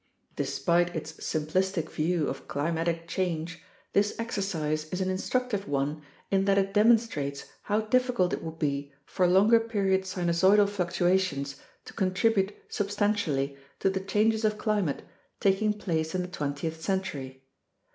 Despite its simplistic view of climatic change, this exercise is an instructive one in that it demonstrates how difficult it would be for longer period sinusoidal fluctuations to contribute substantially to the changes of climate taking place in the twentieth century.